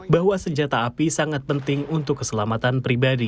bahwa senjata api sangat penting untuk keselamatan pribadi